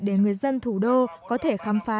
để người dân thủ đô có thể khám phá